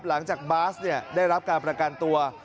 หลังจากบาสได้รับการประกันตัว